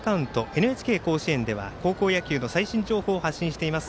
ＮＨＫ甲子園では高校野球の最新情報を発信しています。